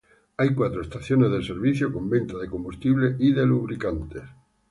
Hay cuatro estaciones de servicios con venta de combustibles y de lubricantes.